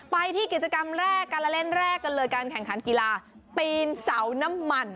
ไปที่กิจกรรมแรกการเล่นแรกกันเลยการแข่งขันกีฬาปีนเสาน้ำมัน